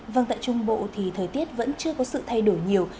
vâng tại trung bộ thì thời tiết vẫn chưa có sự thay đổi nhiều